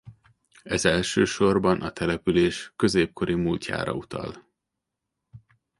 Ez elsősorban a település középkori múltjára utal.